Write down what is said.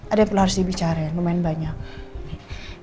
ada yang perlu harus dibicarain lumayan banyak